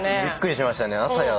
びっくりしましたね。